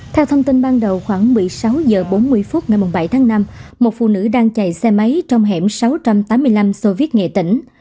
theo thông tin ban đầu khoảng một mươi sáu h bốn mươi phút ngày bảy tháng năm một phụ nữ đang chạy xe máy trong hẻm sáu trăm tám mươi năm soviet nghệ tỉnh